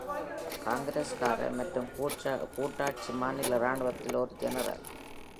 காங்கிரஸ்காரர் மற்றும் கூட்டாட்சி மாநில இராணுவத்தில் ஒரு ஜெனரல்.